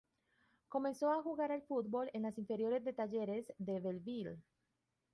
Comenzó a jugar al fútbol en las inferiores de Talleres de Bell Ville.